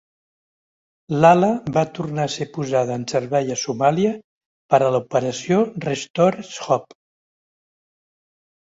L'ala va tornar a ser posada en servei a Somàlia per a l'operació Restore Hope.